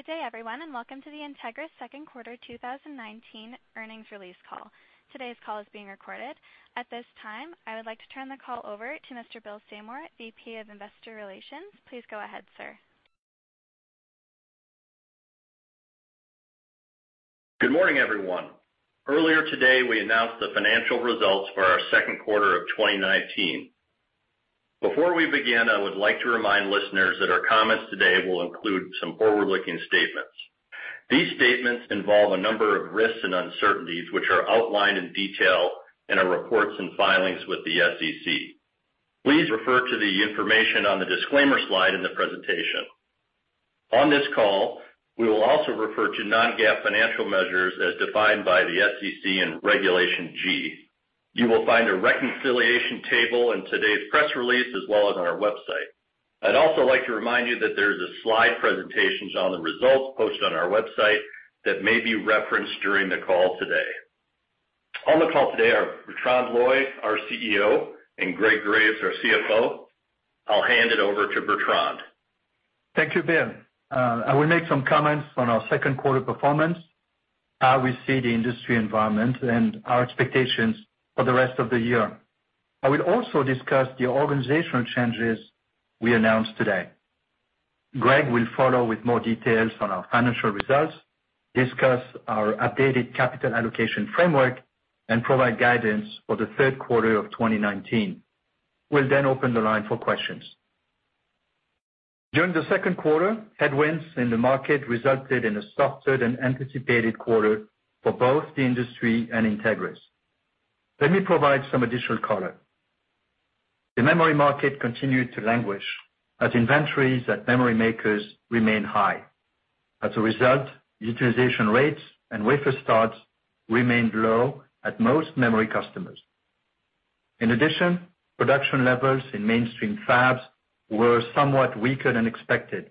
Good day everyone, and welcome to the Entegris second quarter 2019 earnings release call. Today's call is being recorded. At this time, I would like to turn the call over to Mr. Bill Seymour, VP of Investor Relations. Please go ahead, sir. Good morning, everyone. Earlier today, we announced the financial results for our second quarter of 2019. Before we begin, I would like to remind listeners that our comments today will include some forward-looking statements. These statements involve a number of risks and uncertainties, which are outlined in detail in our reports and filings with the SEC. Please refer to the information on the disclaimer slide in the presentation. On this call, we will also refer to non-GAAP financial measures as defined by the SEC and Regulation G. You will find a reconciliation table in today's press release, as well as on our website. I'd also like to remind you that there is a slide presentation on the results posted on our website that may be referenced during the call today. On the call today are Bertrand Loy, our CEO, and Greg Graves, our CFO. I'll hand it over to Bertrand. Thank you, Bill. I will make some comments on our 2Q performance, how we see the industry environment, and our expectations for the rest of the year. I will also discuss the organizational changes we announced today. Greg will follow with more details on our financial results, discuss our updated capital allocation framework, and provide guidance for the 3Q of 2019. We'll open the line for questions. During the 2Q, headwinds in the market resulted in a softer-than-anticipated quarter for both the industry and Entegris. Let me provide some additional color. The memory market continued to languish as inventories at memory makers remained high. Utilization rates and wafer starts remained low at most memory customers. Production levels in mainstream fabs were somewhat weaker than expected,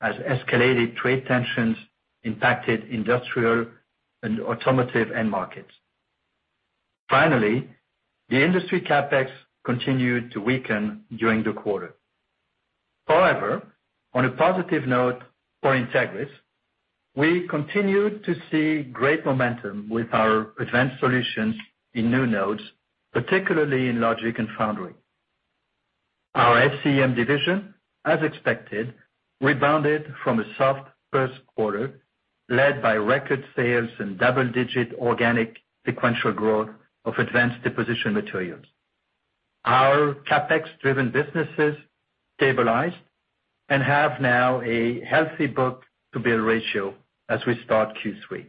as escalated trade tensions impacted industrial and automotive end markets. Finally, the industry CapEx continued to weaken during the quarter. However, on a positive note for Entegris, we continued to see great momentum with our advanced solutions in new nodes, particularly in logic and foundry. Our SCEM division, as expected, rebounded from a soft first quarter, led by record sales and double-digit organic sequential growth of advanced deposition materials. Our CapEx-driven businesses stabilized and have now a healthy book-to-bill ratio as we start Q3.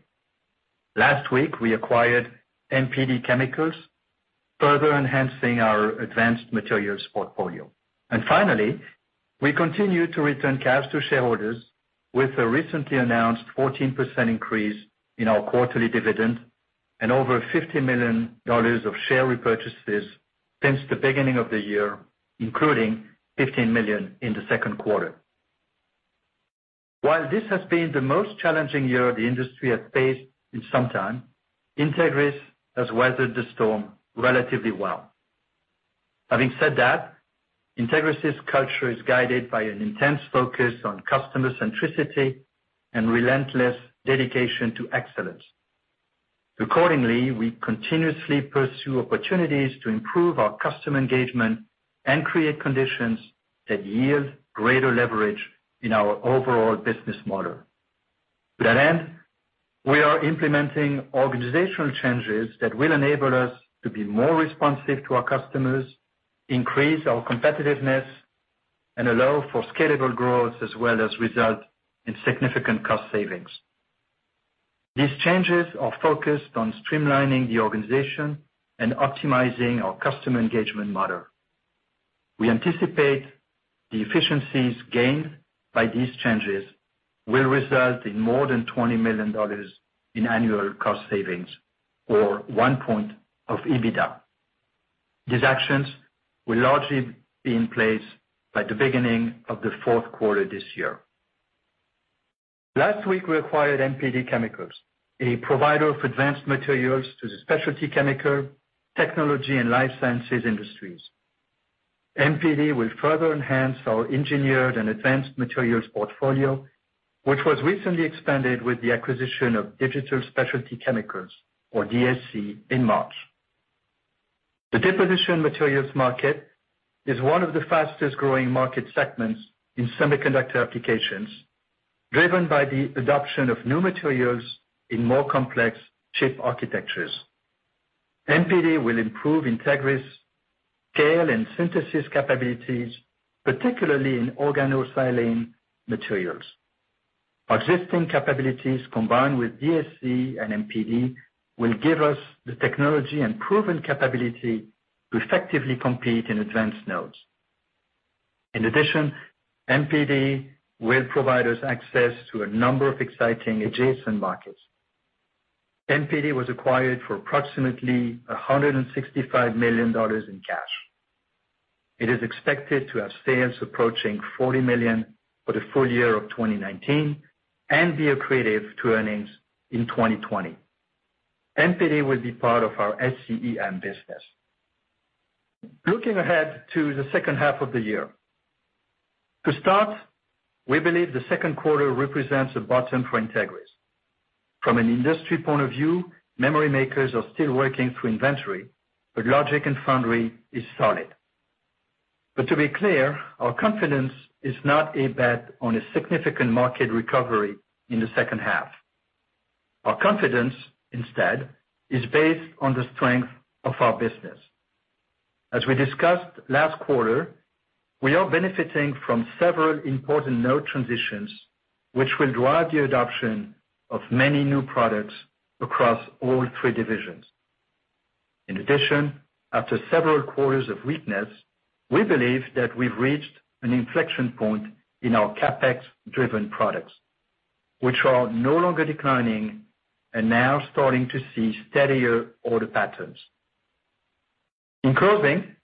Last week, we acquired MPD Chemicals, further enhancing our advanced materials portfolio. Finally, we continue to return cash to shareholders with a recently announced 14% increase in our quarterly dividend and over $50 million of share repurchases since the beginning of the year, including $15 million in the second quarter. While this has been the most challenging year the industry has faced in some time, Entegris has weathered the storm relatively well. Having said that, Entegris' culture is guided by an intense focus on customer centricity and relentless dedication to excellence. Accordingly, we continuously pursue opportunities to improve our customer engagement and create conditions that yield greater leverage in our overall business model. To that end, we are implementing organizational changes that will enable us to be more responsive to our customers, increase our competitiveness, and allow for scalable growth as well as result in significant cost savings. These changes are focused on streamlining the organization and optimizing our customer engagement model. We anticipate the efficiencies gained by these changes will result in more than $20 million in annual cost savings or one point of EBITDA. These actions will largely be in place by the beginning of the fourth quarter this year. Last week, we acquired MPD Chemicals, a provider of advanced materials to the specialty chemical, technology, and life sciences industries. MPD will further enhance our engineered and advanced materials portfolio, which was recently expanded with the acquisition of Digital Specialty Chemicals, or DSC, in March. The deposition materials market is one of the fastest-growing market segments in semiconductor applications, driven by the adoption of new materials in more complex chip architectures. MPD will improve Entegris scale and synthesis capabilities, particularly in organosilane materials. Existing capabilities combined with DSC and MPD will give us the technology and proven capability to effectively compete in advanced nodes. In addition, MPD will provide us access to a number of exciting adjacent markets. MPD was acquired for approximately $165 million in cash. It is expected to have sales approaching $40 million for the full year of 2019 and be accretive to earnings in 2020. MPD will be part of our SCEM business. Looking ahead to the second half of the year. We believe the second quarter represents a bottom for Entegris. From an industry point of view, memory makers are still working through inventory, logic and foundry is solid. To be clear, our confidence is not a bet on a significant market recovery in the second half. Our confidence, instead, is based on the strength of our business. As we discussed last quarter, we are benefiting from several important node transitions, which will drive the adoption of many new products across all three divisions. In addition, after several quarters of weakness, we believe that we've reached an inflection point in our CapEx-driven products, which are no longer declining and now starting to see steadier order patterns. In closing,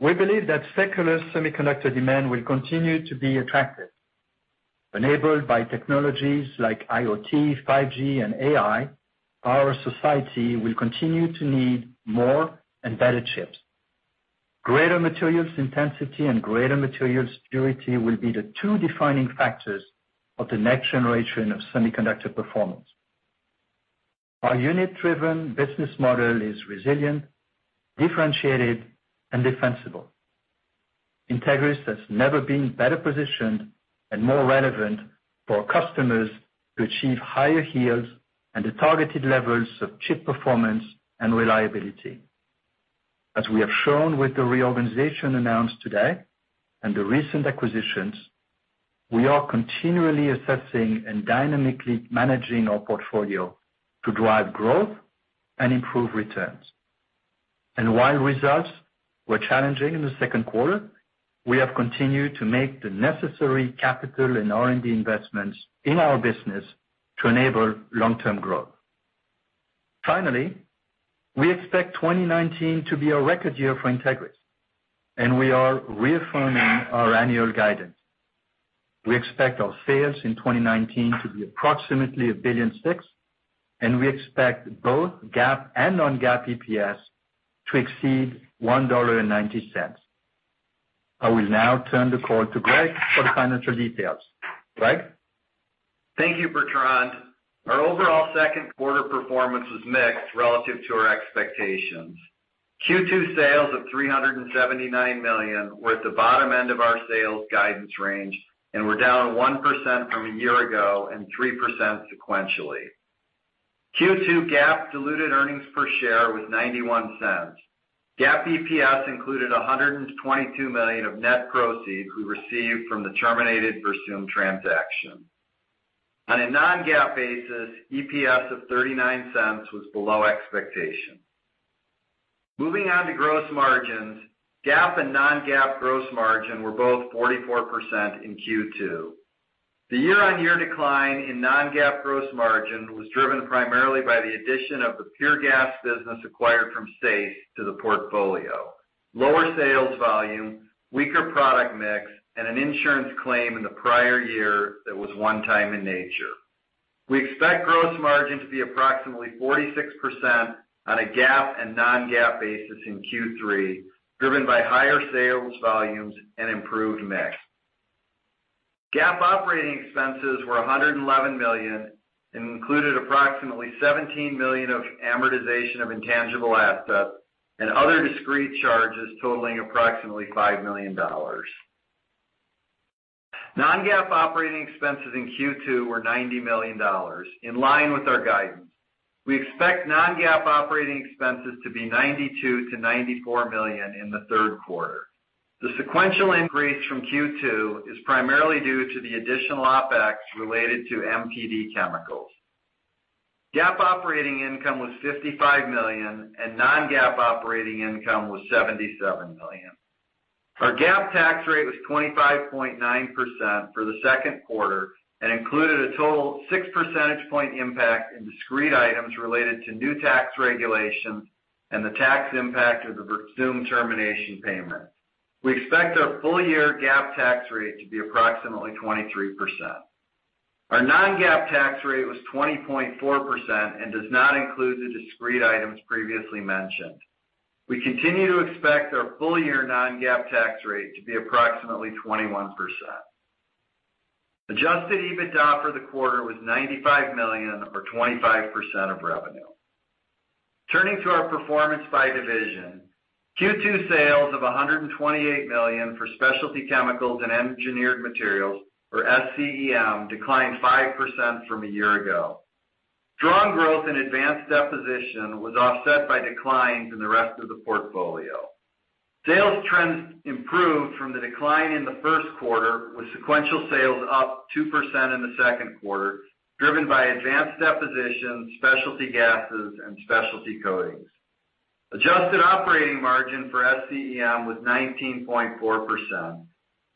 we believe that secular semiconductor demand will continue to be attractive. Enabled by technologies like IoT, 5G, and AI, our society will continue to need more and better chips. Greater materials intensity and greater materials purity will be the two defining factors of the next generation of semiconductor performance. Our unit-driven business model is resilient, differentiated, and defensible. Entegris has never been better positioned and more relevant for our customers to achieve higher yields and the targeted levels of chip performance and reliability. As we have shown with the reorganization announced today and the recent acquisitions, we are continually assessing and dynamically managing our portfolio to drive growth and improve returns. While results were challenging in the second quarter, we have continued to make the necessary capital and R&D investments in our business to enable long-term growth. Finally, we expect 2019 to be a record year for Entegris, and we are reaffirming our annual guidance. We expect our sales in 2019 to be approximately $1.6 billion, and we expect both GAAP and non-GAAP EPS to exceed $1.90. I will now turn the call to Greg for the financial details. Greg? Thank you, Bertrand. Our overall second quarter performance was mixed relative to our expectations. Q2 sales of $379 million were at the bottom end of our sales guidance range and were down 1% from a year ago and 3% sequentially. Q2 GAAP diluted earnings per share was $0.91. GAAP EPS included $122 million of net proceeds we received from the terminated Versum transaction. On a non-GAAP basis, EPS of $0.39 was below expectation. Moving on to gross margins. GAAP and non-GAAP gross margin were both 44% in Q2. The year-on-year decline in non-GAAP gross margin was driven primarily by the addition of the pure gas business acquired from SAES to the portfolio. Lower sales volume, weaker product mix, and an insurance claim in the prior year that was one-time in nature. We expect gross margin to be approximately 46% on a GAAP and non-GAAP basis in Q3, driven by higher sales volumes and improved mix. GAAP operating expenses were $111 million and included approximately $17 million of amortization of intangible assets and other discrete charges totaling approximately $5 million. Non-GAAP operating expenses in Q2 were $90 million, in line with our guidance. We expect non-GAAP operating expenses to be $92 million-$94 million in the third quarter. The sequential increase from Q2 is primarily due to the additional OpEx related to MPD Chemicals. GAAP operating income was $55 million, and non-GAAP operating income was $77 million. Our GAAP tax rate was 25.9% for the second quarter and included a total six percentage point impact in discrete items related to new tax regulations and the tax impact of the Versum termination payment. We expect our full year GAAP tax rate to be approximately 23%. Our non-GAAP tax rate was 20.4% and does not include the discrete items previously mentioned. We continue to expect our full-year non-GAAP tax rate to be approximately 21%. Adjusted EBITDA for the quarter was $95 million or 25% of revenue. Turning to our performance by division. Q2 sales of $128 million for Specialty Chemicals and Engineered Materials, or SCEM, declined 5% from a year ago. Strong growth in advanced deposition was offset by declines in the rest of the portfolio. Sales trends improved from the decline in the first quarter, with sequential sales up 2% in the second quarter, driven by advanced depositions, specialty gases, and specialty coatings. Adjusted operating margin for SCEM was 19.4%.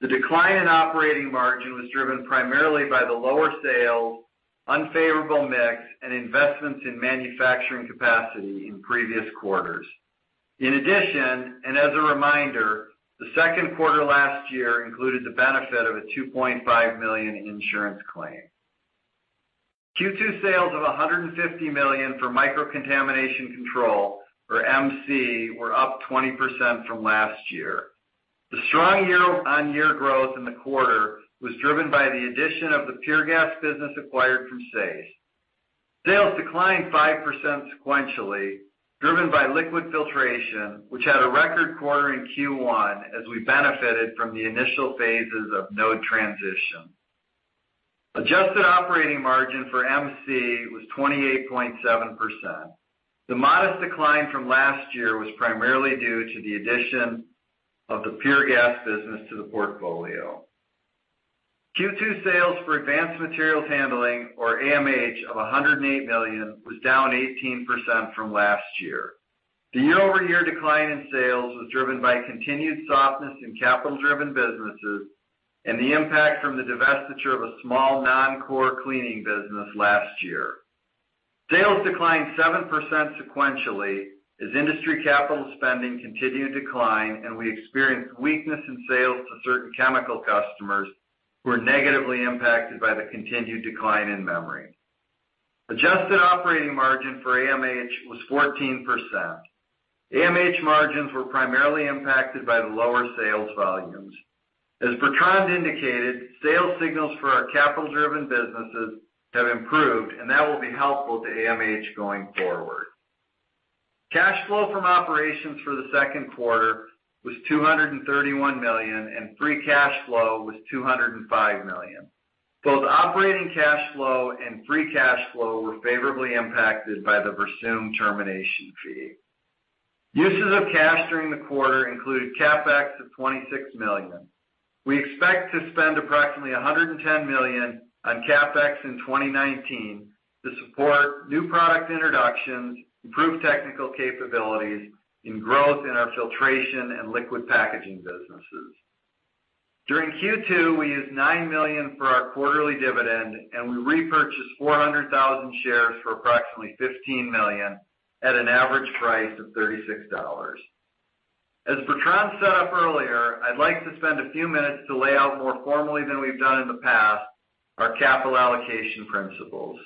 The decline in operating margin was driven primarily by the lower sales, unfavorable mix, and investments in manufacturing capacity in previous quarters. In addition, as a reminder, the second quarter last year included the benefit of a $2.5 million insurance claim. Q2 sales of $150 million for Microcontamination Control, or MC, were up 20% from last year. The strong year-on-year growth in the quarter was driven by the addition of the pure gas business acquired from SAES. Sales declined 5% sequentially, driven by liquid filtration, which had a record quarter in Q1 as we benefited from the initial phases of node transition. Adjusted operating margin for MC was 28.7%. The modest decline from last year was primarily due to the addition of the pure gas business to the portfolio. Q2 sales for Advanced Materials Handling, or AMH, of $108 million was down 18% from last year. The year-over-year decline in sales was driven by continued softness in capital-driven businesses and the impact from the divestiture of a small non-core cleaning business last year. Sales declined 7% sequentially as industry capital spending continued to decline and we experienced weakness in sales to certain chemical customers who were negatively impacted by the continued decline in memory. Adjusted operating margin for AMH was 14%. AMH margins were primarily impacted by the lower sales volumes. As Bertrand indicated, sales signals for our capital-driven businesses have improved, and that will be helpful to AMH going forward. Cash flow from operations for the second quarter was $231 million, and free cash flow was $205 million. Both operating cash flow and free cash flow were favorably impacted by the Versum termination fee. Uses of cash during the quarter included CapEx of $26 million. We expect to spend approximately $110 million on CapEx in 2019 to support new product introductions, improve technical capabilities, and growth in our filtration and liquid packaging businesses. During Q2, we used $9 million for our quarterly dividend, and we repurchased 400,000 shares for approximately $15 million at an average price of $36. As Bertrand set up earlier, I'd like to spend a few minutes to lay out more formally than we've done in the past our capital allocation principles.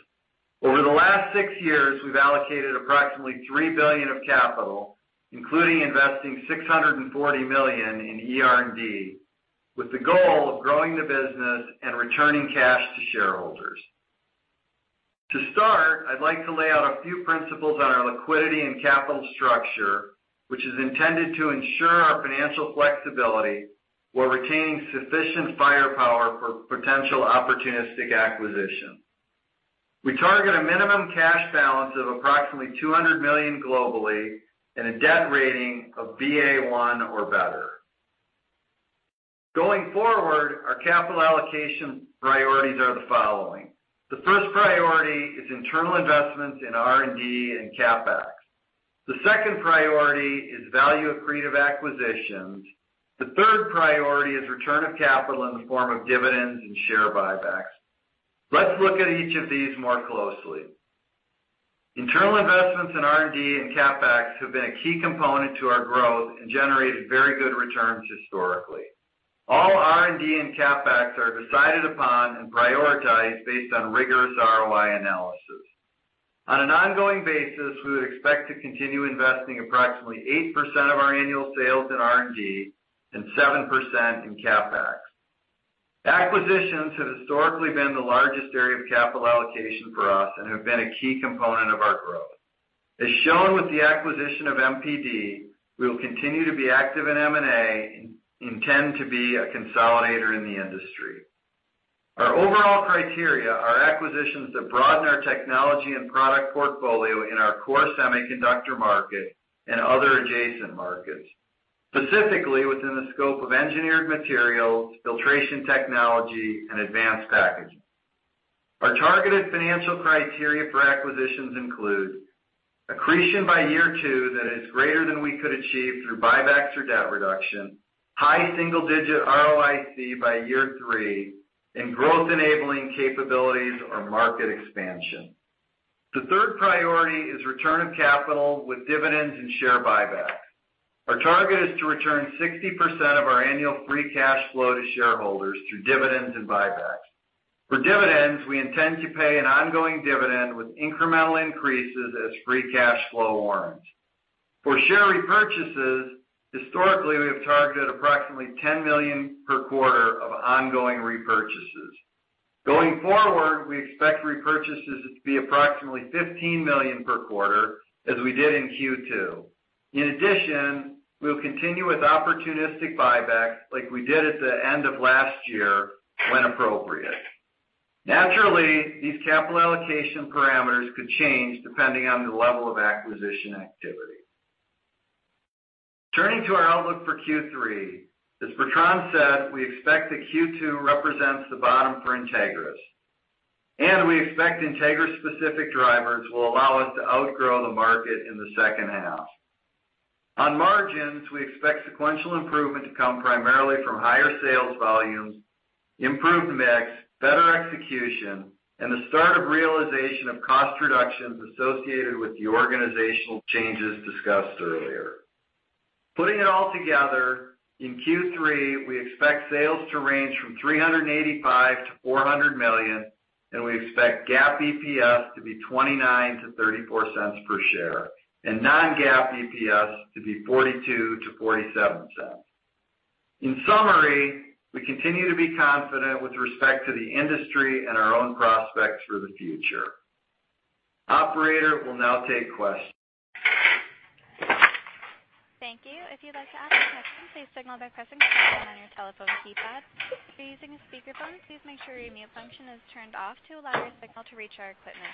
Over the last six years, we've allocated approximately $3 billion of capital, including investing $640 million in ER&D, with the goal of growing the business and returning cash to shareholders. To start, I'd like to lay out a few principles on our liquidity and capital structure, which is intended to ensure our financial flexibility while retaining sufficient firepower for potential opportunistic acquisition. We target a minimum cash balance of approximately $200 million globally and a debt rating of Ba1 or better. Our capital allocation priorities are the following. The first priority is internal investments in R&D and CapEx. The second priority is value-accretive acquisitions. The third priority is return of capital in the form of dividends and share buybacks. Let's look at each of these more closely. Internal investments in R&D and CapEx have been a key component to our growth and generated very good returns historically. All R&D and CapEx are decided upon and prioritized based on rigorous ROI analysis. We would expect to continue investing approximately 8% of our annual sales in R&D and 7% in CapEx. Acquisitions have historically been the largest area of capital allocation for us and have been a key component of our growth. As shown with the acquisition of MPD, we will continue to be active in M&A and intend to be a consolidator in the industry. Our overall criteria are acquisitions that broaden our technology and product portfolio in our core semiconductor market and other adjacent markets, specifically within the scope of engineered materials, filtration technology, and advanced packaging. Our targeted financial criteria for acquisitions include accretion by year two that is greater than we could achieve through buybacks or debt reduction, high single-digit ROIC by year three, and growth-enabling capabilities or market expansion. The third priority is return of capital with dividends and share buybacks. Our target is to return 60% of our annual free cash flow to shareholders through dividends and buybacks. For dividends, we intend to pay an ongoing dividend with incremental increases as free cash flow warrants. For share repurchases, historically, we have targeted approximately $10 million per quarter of ongoing repurchases. Going forward, we expect repurchases to be approximately $15 million per quarter as we did in Q2. In addition, we'll continue with opportunistic buybacks like we did at the end of last year when appropriate. Naturally, these capital allocation parameters could change depending on the level of acquisition activity. Turning to our outlook for Q3, as Bertrand said, we expect that Q2 represents the bottom for Entegris, and we expect Entegris-specific drivers will allow us to outgrow the market in the second half. On margins, we expect sequential improvement to come primarily from higher sales volumes, improved mix, better execution, and the start of realization of cost reductions associated with the organizational changes discussed earlier. Putting it all together, in Q3, we expect sales to range from $385 million-$400 million, and we expect GAAP EPS to be $0.29-$0.34 per share, and non-GAAP EPS to be $0.42-$0.47. In summary, we continue to be confident with respect to the industry and our own prospects for the future. Operator, we'll now take questions. Thank you. If you'd like to ask a question, please signal by pressing *1 on your telephone keypad. If you're using a speakerphone, please make sure your mute function is turned off to allow your signal to reach our equipment.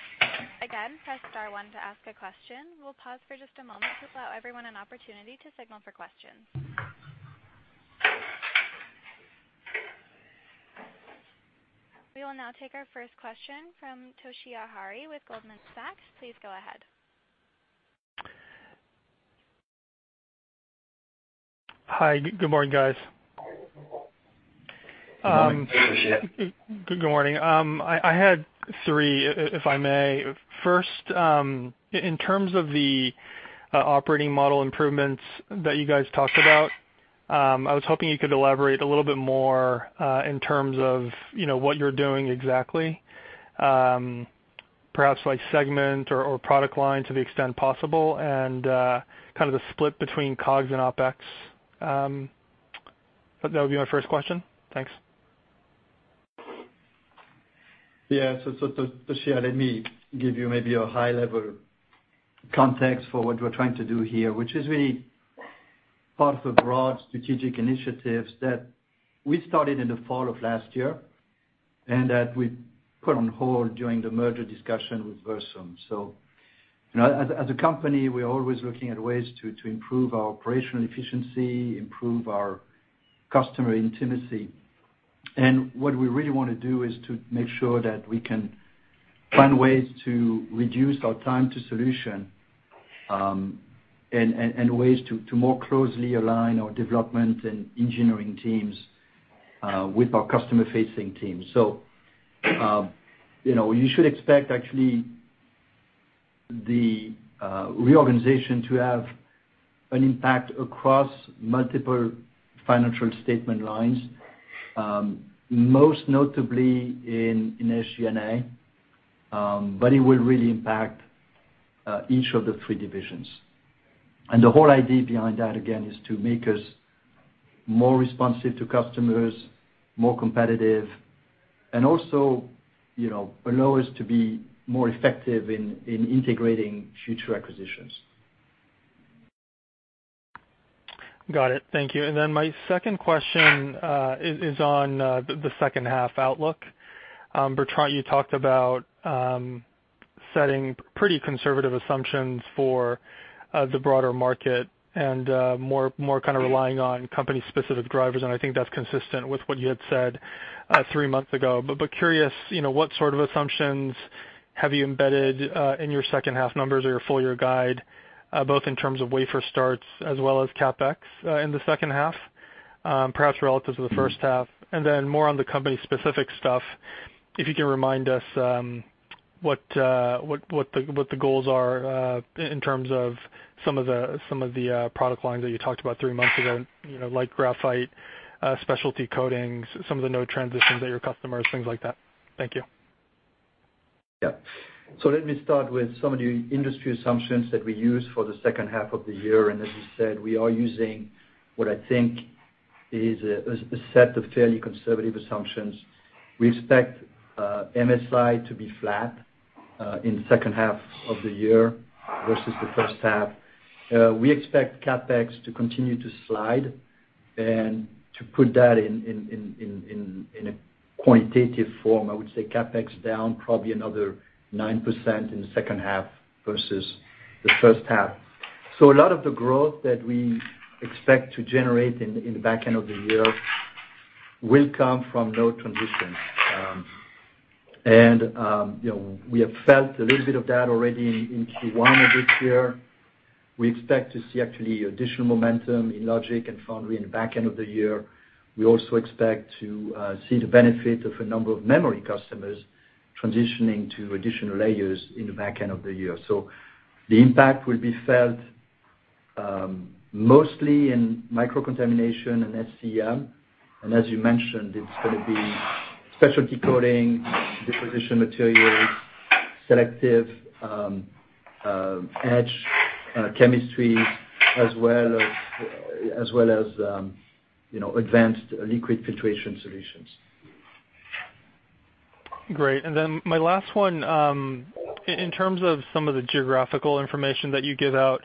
Again, press *1 to ask a question. We'll pause for just a moment to allow everyone an opportunity to signal for questions. We will now take our first question from Toshiya Hari with Goldman Sachs. Please go ahead. Hi. Good morning, guys. Good morning. Good morning. I had three, if I may. First, in terms of the operating model improvements that you guys talked about, I was hoping you could elaborate a little bit more, in terms of what you're doing exactly. Perhaps like segment or product line to the extent possible and the split between COGS and OpEx. That would be my first question. Thanks. Yeah. Toshiya, let me give you maybe a high-level context for what we're trying to do here, which is really part of a broad strategic initiatives that we started in the fall of last year, and that we put on hold during the merger discussion with Versum. As a company, we're always looking at ways to improve our operational efficiency, improve our customer intimacy. What we really want to do is to make sure that we can find ways to reduce our time to solution, and ways to more closely align our development and engineering teams, with our customer-facing teams. You should expect, actually, the reorganization to have an impact across multiple financial statement lines, most notably in SG&A, but it will really impact each of the three divisions. The whole idea behind that, again, is to make us more responsive to customers, more competitive, and also allow us to be more effective in integrating future acquisitions. Got it. Thank you. Then my second question is on the second half outlook. Bertrand, you talked about setting pretty conservative assumptions for the broader market and more kind of relying on company-specific drivers, and I think that's consistent with what you had said three months ago. Curious, what sort of assumptions have you embedded in your second half numbers or your full-year guide, both in terms of wafer starts as well as CapEx in the second half, perhaps relative to the first half? Then more on the company-specific stuff, if you can remind us what the goals are in terms of some of the product lines that you talked about three months ago, like graphite, specialty coatings, some of the node transitions at your customers, things like that. Thank you. Yeah. Let me start with some of the industry assumptions that we used for the second half of the year. As you said, we are using what I think is a set of fairly conservative assumptions. We expect MSI to be flat in the second half of the year versus the first half. We expect CapEx to continue to slide and to put that in a quantitative form, I would say CapEx down probably another 9% in the second half versus the first half. A lot of the growth that we expect to generate in the back end of the year will come from node transitions. We have felt a little bit of that already in Q1 of this year. We expect to see actually additional momentum in logic and foundry in the back end of the year. We also expect to see the benefit of a number of memory customers transitioning to additional layers in the back end of the year. The impact will be felt mostly in Microcontamination and SCEM, and as you mentioned, it's going to be specialty coatings, deposition materials, selective etch chemistry, as well as advanced liquid filtration solutions. Great. Then my last one, in terms of some of the geographical information that you give out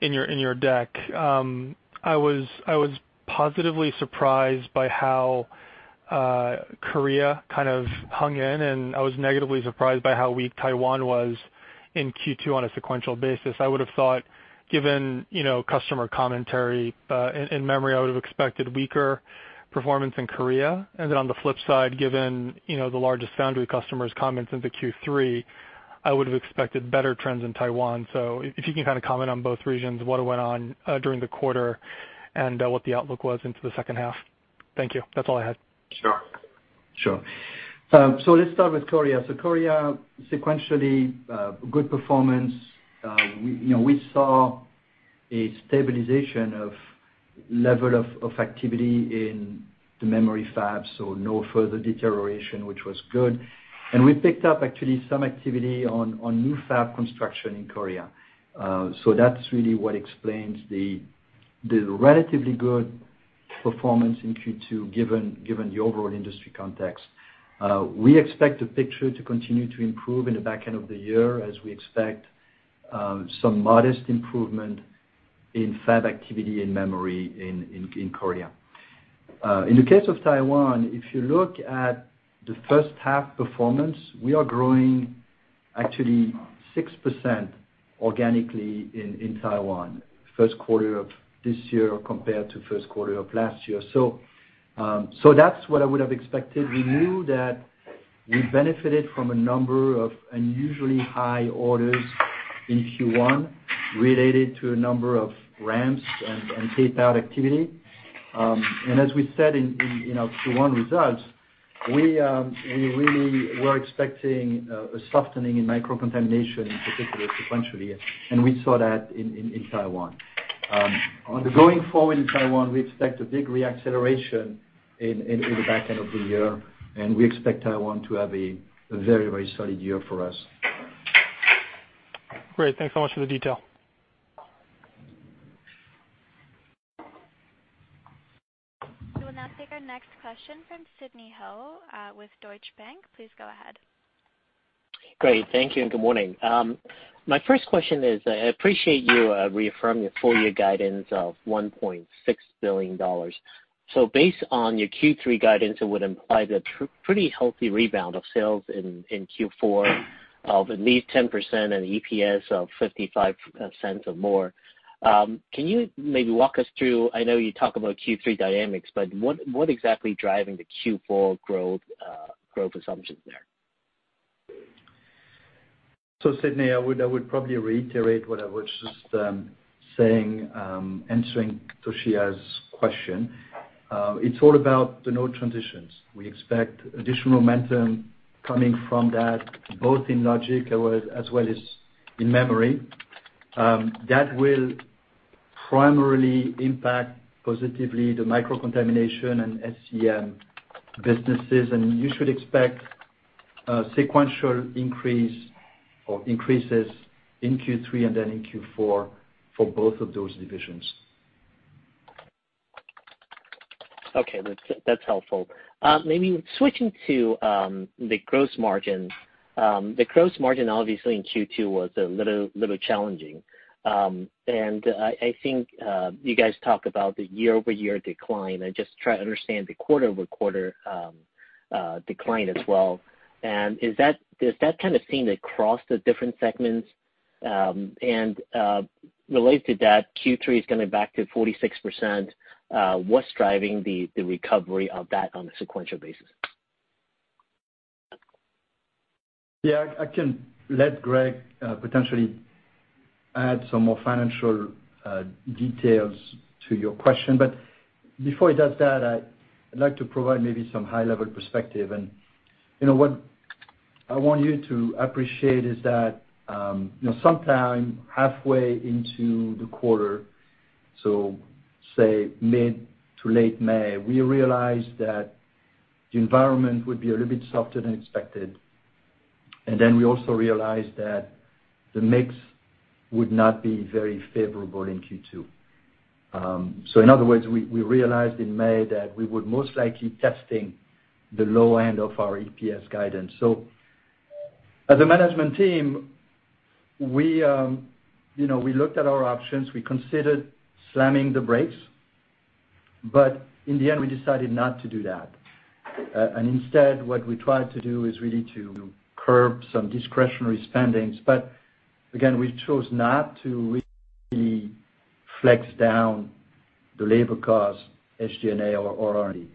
in your deck, I was positively surprised by how Korea kind of hung in, and I was negatively surprised by how weak Taiwan was in Q2 on a sequential basis. I would've thought, given customer commentary in memory, I would've expected weaker performance in Korea. Then on the flip side, given the largest foundry customer's comments into Q3, I would've expected better trends in Taiwan. If you can kind of comment on both regions, what went on during the quarter and what the outlook was into the second half. Thank you. That's all I had. Sure. Sure. Let's start with Korea. Korea, sequentially, good performance. We saw a stabilization of level of activity in the memory fabs, so no further deterioration, which was good. We picked up actually some activity on new fab construction in Korea. That's really what explains the relatively good performance in Q2, given the overall industry context. We expect the picture to continue to improve in the back end of the year as we expect some modest improvement in fab activity and memory in Korea. In the case of Taiwan, if you look at the first half performance, we are growing actually 6% organically in Taiwan, first quarter of this year compared to first quarter of last year. That's what I would have expected. We knew that we benefited from a number of unusually high orders in Q1 related to a number of ramps and tape-out activity. As we said in our Q1 results, we really were expecting a softening in microcontamination in particular sequentially, and we saw that in Taiwan. Going forward in Taiwan, we expect a big re-acceleration in the back end of the year, and we expect Taiwan to have a very solid year for us. Great. Thanks so much for the detail. We will now take our next question from Sidney Ho with Deutsche Bank. Please go ahead. Great. Thank you and good morning. My first question is, I appreciate you reaffirm your full-year guidance of $1.6 billion. Based on your Q3 guidance, it would imply the pretty healthy rebound of sales in Q4 of at least 10% and EPS of $0.55 or more. Can you maybe walk us through, I know you talk about Q3 dynamics, but what exactly driving the Q4 growth assumptions there? Sidney, I would probably reiterate what I was just saying answering Toshiya's question. It's all about the node transitions. We expect additional momentum coming from that both in Logic as well as in Memory. That will primarily impact positively the Microcontamination and SCEM businesses, and you should expect a sequential increase or increases in Q3 and then in Q4 for both of those divisions. Okay. That's helpful. Maybe switching to the gross margin. The gross margin obviously in Q2 was a little challenging. I think you guys talked about the year-over-year decline. I just try to understand the quarter-over-quarter decline as well. Does that kind of seem to cross the different segments? Related to that, Q3 is kind of back to 46%. What's driving the recovery of that on a sequential basis? Yeah, I can let Greg potentially add some more financial details to your question. Before he does that, I'd like to provide maybe some high-level perspective. What I want you to appreciate is that sometime halfway into the quarter, so say mid to late May, we realized that the environment would be a little bit softer than expected, and then we also realized that the mix would not be very favorable in Q2. In other words, we realized in May that we were most likely testing the low end of our EPS guidance. As a management team, we looked at our options. We considered slamming the brakes. In the end, we decided not to do that. Instead, what we tried to do is really to curb some discretionary spendings. Again, we chose not to really flex down the labor costs, SG&A or R&D.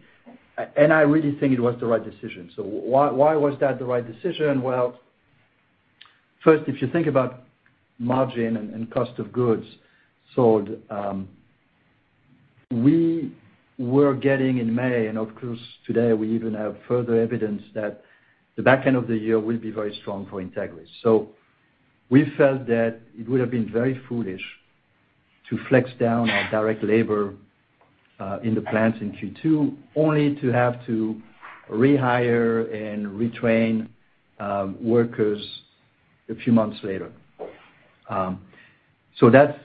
I really think it was the right decision. Why was that the right decision? Well, first, if you think about margin and cost of goods sold, we were getting in May, and of course, today, we even have further evidence that the back end of the year will be very strong for Entegris. We felt that it would have been very foolish to flex down our direct labor in the plants in Q2, only to have to rehire and retrain workers a few months later. That's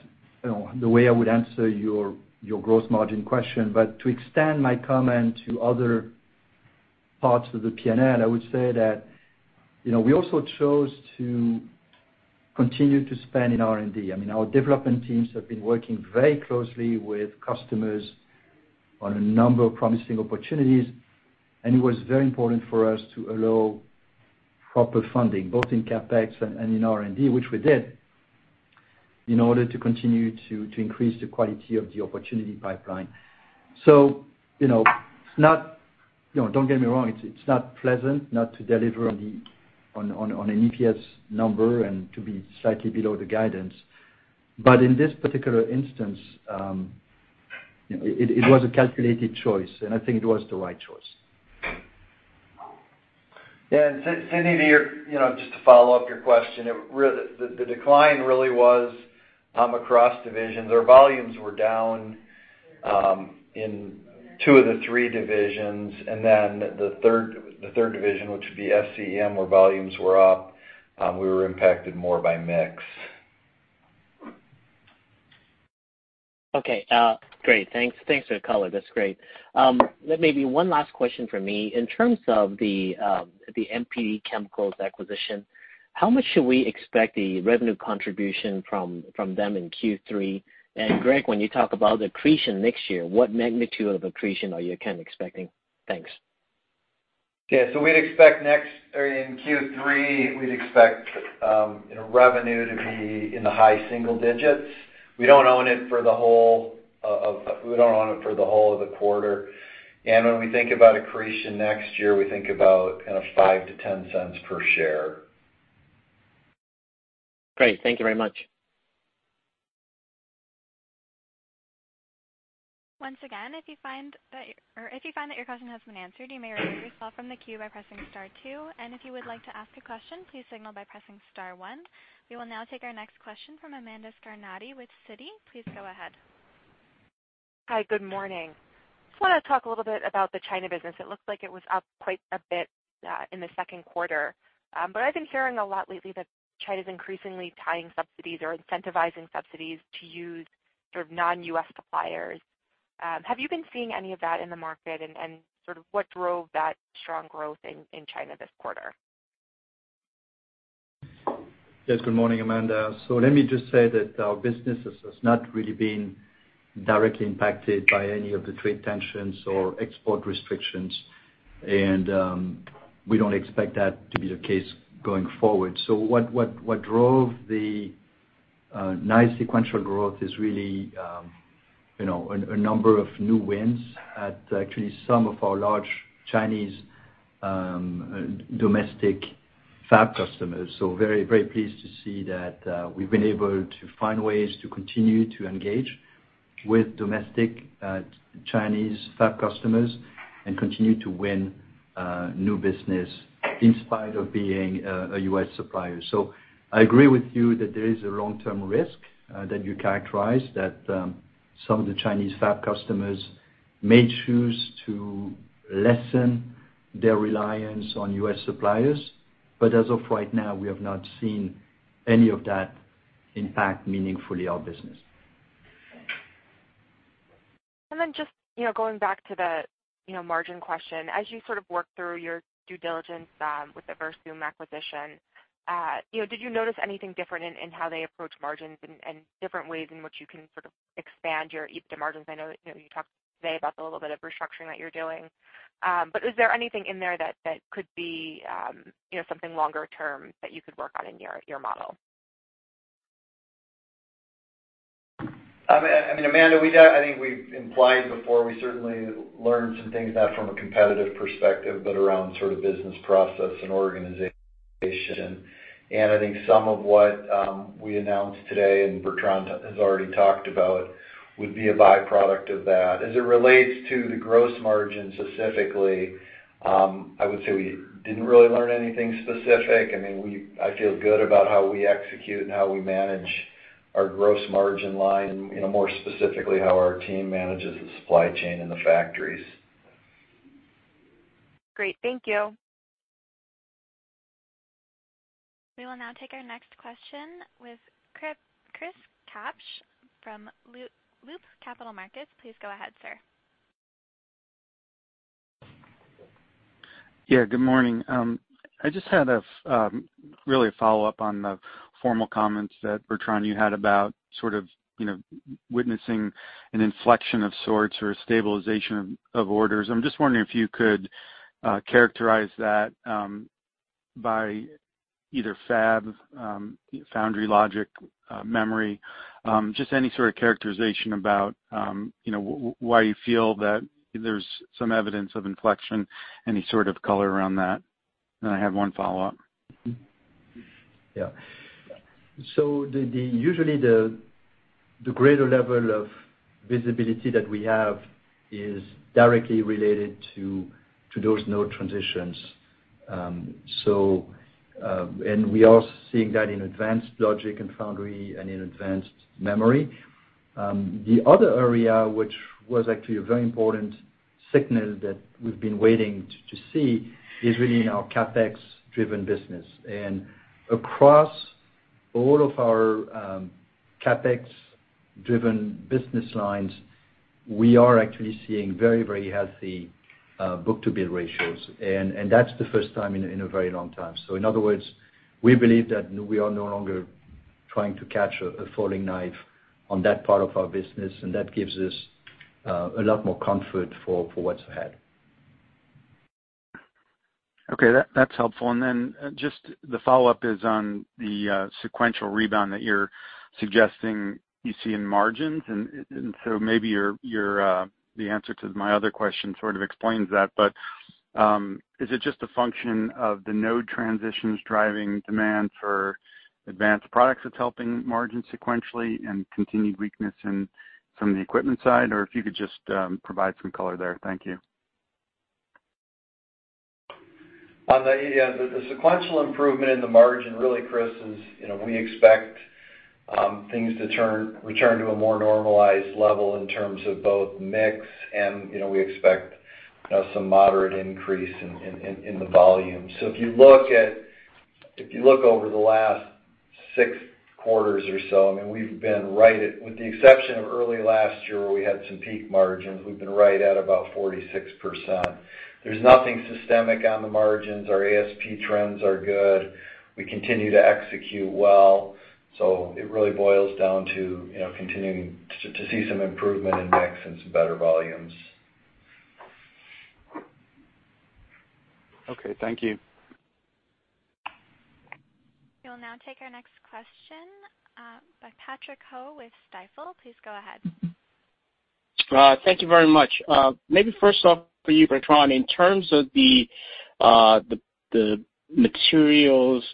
the way I would answer your gross margin question. To extend my comment to other parts of the P&L, I would say that we also chose to continue to spend in R&D. I mean, our development teams have been working very closely with customers on a number of promising opportunities, and it was very important for us to allow proper funding, both in CapEx and in R&D, which we did, in order to continue to increase the quality of the opportunity pipeline. Don't get me wrong, it's not pleasant not to deliver on an EPS number and to be slightly below the guidance. In this particular instance. It was a calculated choice, and I think it was the right choice. Yeah. Sidney, just to follow up your question, the decline really was across divisions. Our volumes were down in two of the three divisions, and then the third division, which would be SCEM, where volumes were up, we were impacted more by mix. Okay. Great. Thanks for the color. That's great. Maybe one last question from me. In terms of the MPD Chemicals acquisition, how much should we expect the revenue contribution from them in Q3? Greg, when you talk about accretion next year, what magnitude of accretion are you kind of expecting? Thanks. In Q3, we'd expect revenue to be in the high single digits. We don't own it for the whole of the quarter. When we think about accretion next year, we think about kind of $0.05-$0.10 per share. Great. Thank you very much. Once again, if you find that your question has been answered, you may remove yourself from the queue by pressing star two, and if you would like to ask a question, please signal by pressing star one. We will now take our next question from Amanda Scarnati with Citi. Please go ahead. Hi. Good morning. Just want to talk a little bit about the China business. It looks like it was up quite a bit in the second quarter. I've been hearing a lot lately that China's increasingly tying subsidies or incentivizing subsidies to use sort of non-U.S. suppliers. Have you been seeing any of that in the market? Sort of what drove that strong growth in China this quarter? Yes. Good morning, Amanda. Let me just say that our business has not really been directly impacted by any of the trade tensions or export restrictions, and we don't expect that to be the case going forward. What drove the nice sequential growth is really a number of new wins at actually some of our large Chinese domestic fab customers. Very pleased to see that we've been able to find ways to continue to engage with domestic Chinese fab customers and continue to win new business in spite of being a U.S. supplier. As of right now, we have not seen any of that impact meaningfully our business. Just going back to the margin question. As you sort of work through your due diligence with the Versum acquisition, did you notice anything different in how they approach margins and different ways in which you can sort of expand your EBITDA margins? I know that you talked today about the little bit of restructuring that you're doing. Is there anything in there that could be something longer term that you could work on in your model? Amanda, I think we've implied before, we certainly learned some things, not from a competitive perspective, but around sort of business process and organization. I think some of what we announced today, and Bertrand has already talked about, would be a byproduct of that. As it relates to the gross margin specifically, I would say we didn't really learn anything specific. I feel good about how we execute and how we manage our gross margin line, more specifically how our team manages the supply chain and the factories. Great. Thank you. We will now take our next question with Chris Kapsch from Loop Capital Markets. Please go ahead, sir. Good morning. I just had really a follow-up on the formal comments that, Bertrand, you had about sort of witnessing an inflection of sorts or a stabilization of orders. I'm just wondering if you could characterize that by either fab, foundry logic, memory, just any sort of characterization about why you feel that there's some evidence of inflection. Any sort of color around that? I have one follow-up. Usually, the greater level of visibility that we have is directly related to those node transitions. We are seeing that in advanced logic and foundry and in advanced memory. The other area, which was actually a very important signal that we've been waiting to see, is really in our CapEx-driven business. Across all of our CapEx-driven business lines, we are actually seeing very healthy book-to-bill ratios. That's the first time in a very long time. In other words, we believe that we are no longer trying to catch a falling knife on that part of our business, and that gives us a lot more comfort for what's ahead. Okay. That's helpful. Then just the follow-up is on the sequential rebound that you're suggesting you see in margins. Maybe the answer to my other question sort of explains that, but is it just a function of the node transitions driving demand for advanced products that's helping margin sequentially and continued weakness from the equipment side? If you could just provide some color there. Thank you. The sequential improvement in the margin really, Chris, is we expect things to return to a more normalized level in terms of both mix and we expect some moderate increase in the volume. If you look over the last six quarters or so, with the exception of early last year where we had some peak margins, we've been right at about 46%. There's nothing systemic on the margins. Our ASP trends are good. We continue to execute well. It really boils down to continuing to see some improvement in mix and some better volumes. Okay, thank you. We will now take our next question, by Patrick Ho with Stifel. Please go ahead. Thank you very much. Maybe first off for you, Bertrand, in terms of the materials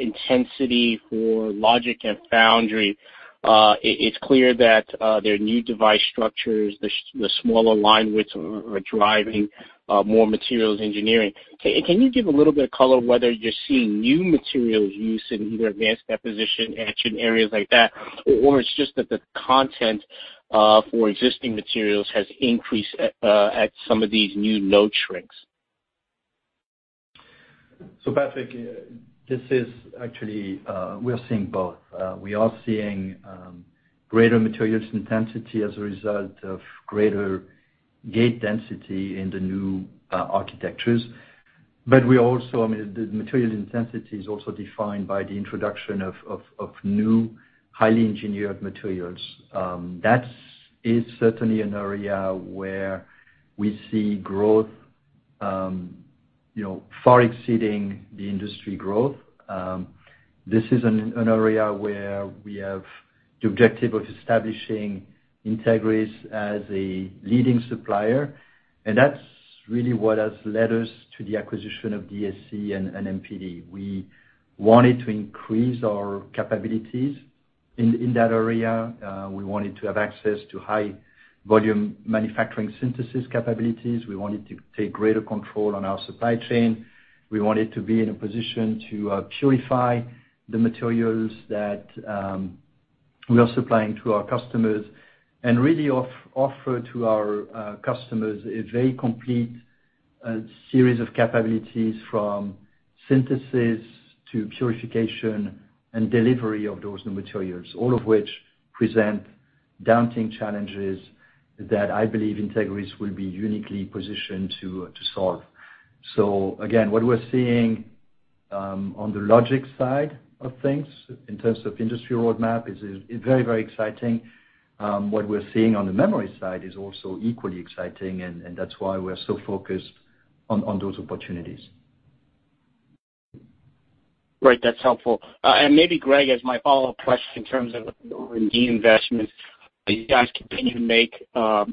intensity for logic and foundry, it's clear that their new device structures, the smaller line widths are driving more materials engineering. Can you give a little bit of color whether you're seeing new materials used in either advanced deposition, etching, areas like that, or it's just that the content for existing materials has increased at some of these new node shrinks? Patrick, this is actually, we are seeing both. We are seeing greater materials intensity as a result of greater gate density in the new architectures. We also, the material intensity is also defined by the introduction of new highly engineered materials. That is certainly an area where we see growth far exceeding the industry growth. This is an area where we have the objective of establishing Entegris as a leading supplier, and that's really what has led us to the acquisition of DSC and MPD. We wanted to increase our capabilities in that area. We wanted to have access to high volume manufacturing synthesis capabilities. We wanted to take greater control on our supply chain. We wanted to be in a position to purify the materials that we are supplying to our customers and really offer to our customers a very complete series of capabilities from synthesis to purification and delivery of those new materials, all of which present daunting challenges that I believe Entegris will be uniquely positioned to solve. Again, what we're seeing on the logic side of things in terms of industry roadmap is very exciting. What we're seeing on the memory side is also equally exciting, and that's why we're so focused on those opportunities. Great. That's helpful. Maybe Greg, as my follow-up question in terms of R&D investments, you guys continue to make a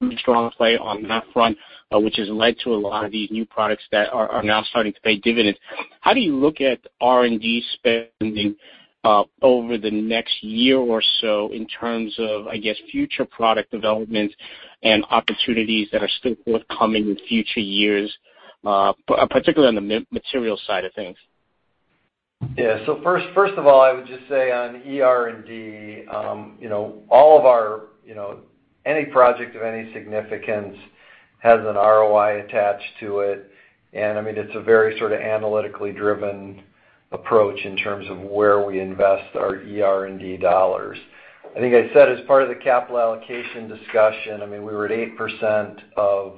pretty strong play on that front, which has led to a lot of these new products that are now starting to pay dividends. How do you look at R&D spending over the next year or so in terms of, I guess, future product development and opportunities that are still forthcoming in future years, particularly on the material side of things? First of all, I would just say on ER&D, any project of any significance has an ROI attached to it, and it's a very sort of analytically driven approach in terms of where we invest our ER&D dollars. I think I said as part of the capital allocation discussion, we were at 8% of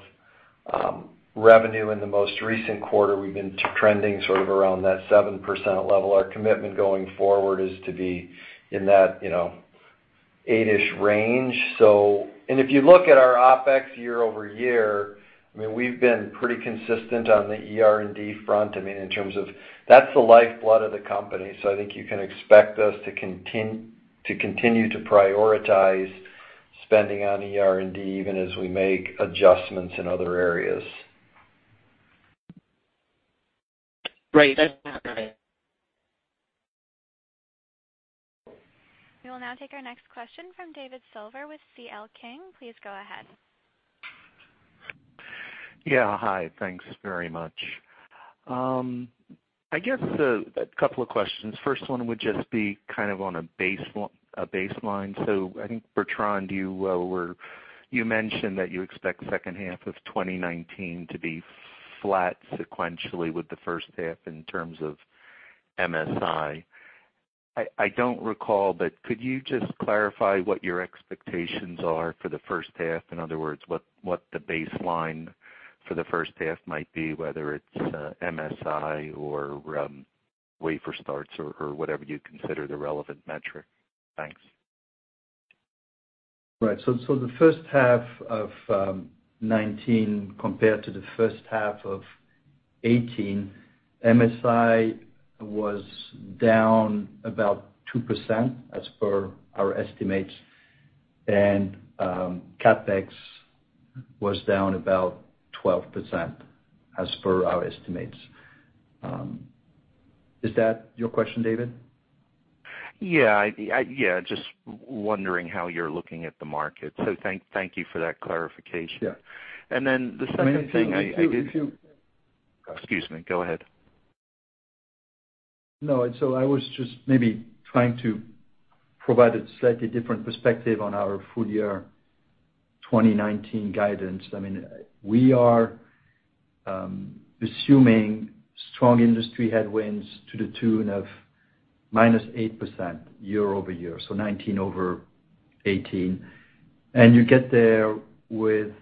revenue in the most recent quarter. We've been trending sort of around that 7% level. Our commitment going forward is to be in that 8-ish range. If you look at our OpEx year-over-year, we've been pretty consistent on the ER&D front, in terms of that's the lifeblood of the company. I think you can expect us to continue to prioritize spending on ER&D even as we make adjustments in other areas. Great. That's helpful. We will now take our next question from David with CL King. Please go ahead. Yeah. Hi. Thanks very much. I guess a couple of questions. First one would just be kind of on a baseline. I think, Bertrand, you mentioned that you expect second half of 2019 to be flat sequentially with the first half in terms of MSI. I don't recall, but could you just clarify what your expectations are for the first half? In other words, what the baseline for the first half might be, whether it's MSI or wafer starts or whatever you consider the relevant metric. Thanks. Right. The first half of 2019 compared to the first half of 2018, MSI was down about 2% as per our estimates, and CapEx was down about 12% as per our estimates. Is that your question, David? Yeah. Just wondering how you're looking at the market. Thank you for that clarification. Yeah. The second thing. If you- Excuse me. Go ahead. No, I was just maybe trying to provide a slightly different perspective on our full year 2019 guidance. We are assuming strong industry headwinds to the tune of minus 8% year-over-year, so '19 over '18. You get there with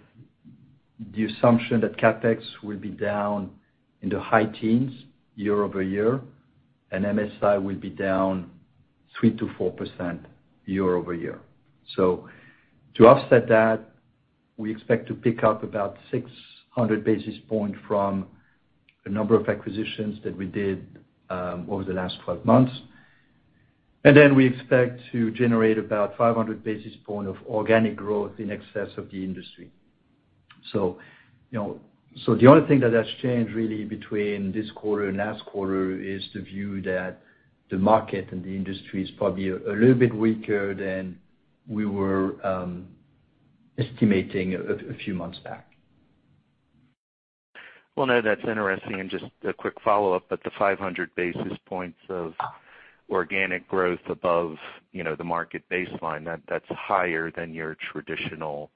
the assumption that CapEx will be down in the high teens year-over-year, and MSI will be down 3%-4% year-over-year. To offset that, we expect to pick up about 600 basis points from a number of acquisitions that we did over the last 12 months. We expect to generate about 500 basis points of organic growth in excess of the industry. The only thing that has changed really between this quarter and last quarter is the view that the market and the industry is probably a little bit weaker than we were estimating a few months back. Well, no, that's interesting. Just a quick follow-up, but the 500 basis points of organic growth above the market baseline, that's higher than your traditional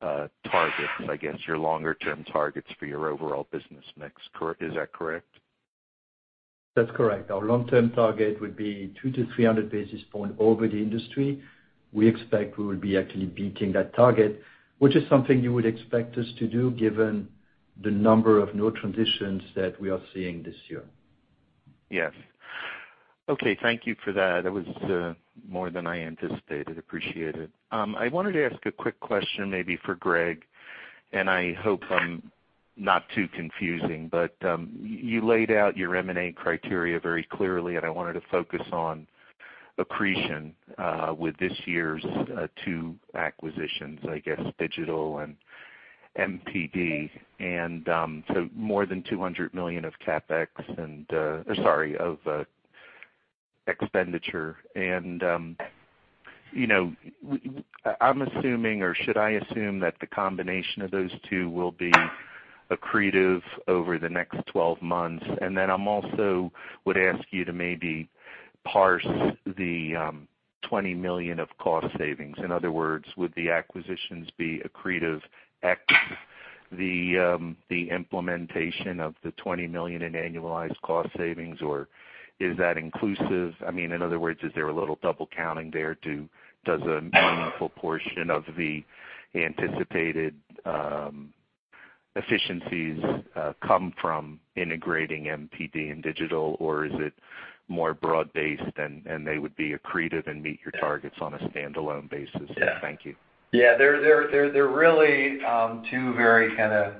targets, I guess your longer term targets for your overall business mix. Is that correct? That's correct. Our long-term target would be 200 to 300 basis points over the industry. We expect we will be actually beating that target, which is something you would expect us to do given the number of node transitions that we are seeing this year. Yes. Okay. Thank you for that. That was more than I anticipated. Appreciate it. I wanted to ask a quick question maybe for Greg, and I hope I'm not too confusing, but you laid out your M&A criteria very clearly, and I wanted to focus on accretion with this year's two acquisitions, I guess, Digital and MPD. More than $200 million of CapEx and, or sorry, of expenditure. I'm assuming, or should I assume that the combination of those two will be accretive over the next 12 months? I also would ask you to maybe parse the $20 million of cost savings. In other words, would the acquisitions be accretive ex the implementation of the $20 million in annualized cost savings? Is that inclusive? In other words, is there a little double counting there? Does a meaningful portion of the anticipated efficiencies come from integrating MPD and Digital, or is it more broad-based and they would be accretive and meet your targets on a standalone basis? Yeah. Thank you. Yeah. They're really two very kind of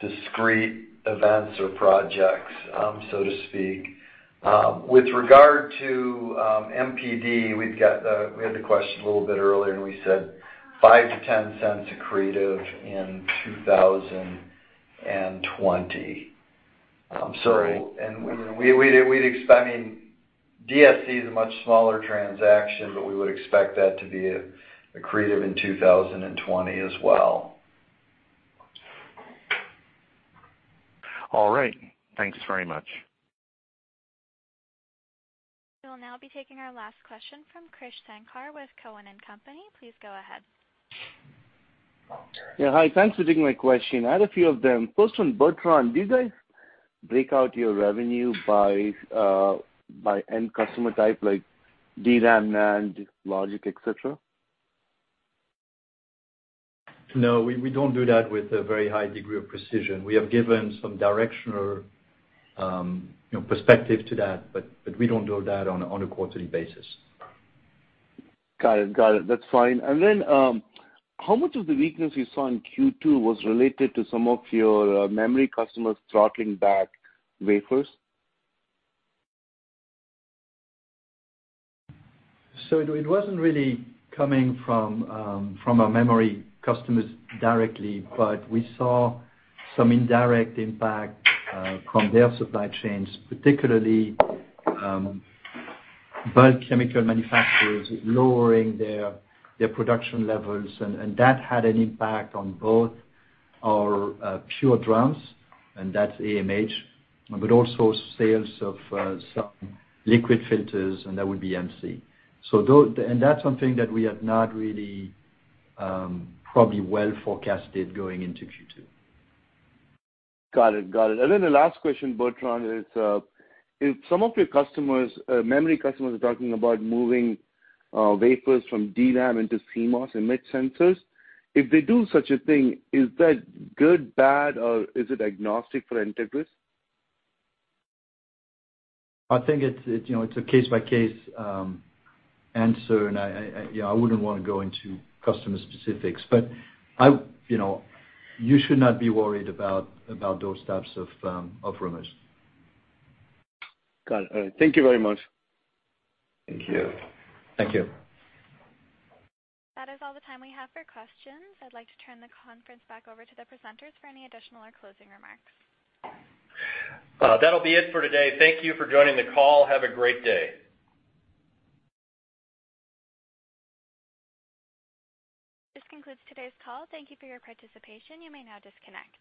discreet events or projects, so to speak. With regard to MPD, we had the question a little bit earlier and we said $0.05-$0.10 accretive in 2020. I mean, DSC is a much smaller transaction, but we would expect that to be accretive in 2020 as well. All right. Thanks very much. We will now be taking our last question from Krish Sankar with Cowen and Company. Please go ahead. Hi. Thanks for taking my question. I had a few of them. First, on Bertrand, did I break out your revenue by end customer type, like DRAM, NAND, Logic, et cetera? No, we don't do that with a very high degree of precision. We have given some directional perspective to that, but we don't do that on a quarterly basis. Got it. That's fine. How much of the weakness you saw in Q2 was related to some of your memory customers throttling back wafers? It wasn't really coming from our memory customers directly, but we saw some indirect impact from their supply chains, particularly bulk chemical manufacturers lowering their production levels, and that had an impact on both our FluoroPure drums, and that's AMH, but also sales of some liquid filters, and that would be MC. That's something that we have not really probably well forecasted going into Q2. Got it. The last question, Bertrand, is if some of your memory customers are talking about moving wafers from DRAM into CMOS image sensors, if they do such a thing, is that good, bad, or is it agnostic for Entegris? I think it's a case-by-case answer, and I wouldn't want to go into customer specifics. You should not be worried about those types of rumors. Got it. All right. Thank you very much. Thank you. Thank you. That is all the time we have for questions. I'd like to turn the conference back over to the presenters for any additional or closing remarks. That'll be it for today. Thank you for joining the call. Have a great day. This concludes today's call. Thank you for your participation. You may now disconnect.